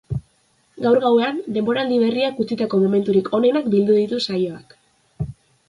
Gaur gauean, denboraldi berriak utzitako momenturik onenak bildu ditu saioak.